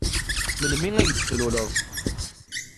Melmi ay d-tluleḍ?